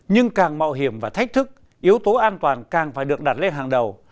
nhưng càng mạo hiểm và thách thức yếu tố an toàn càng phải được đặt lên hàng đầu